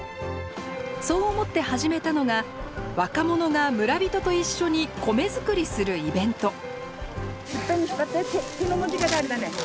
そう思って始めたのが若者が村人と一緒に米作りするイベント。